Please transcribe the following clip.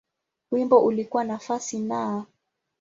Wimbo ulikuwa nafasi Na.